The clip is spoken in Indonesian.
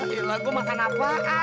ya lah gue makan apaan